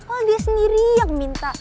oh dia sendiri yang minta